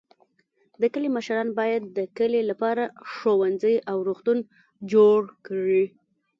د کلي مشران باید د کلي لپاره ښوونځی او روغتون جوړ کړي.